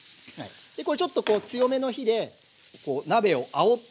これちょっと強めの火で鍋をあおって。